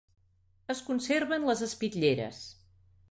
Es conserven les espitlleres.